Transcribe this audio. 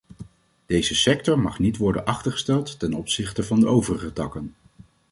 Deze sector mag niet worden achtergesteld ten opzichte van de overige takken.